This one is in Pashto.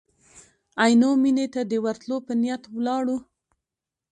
عینو مېنې ته د ورتلو په نیت ولاړو.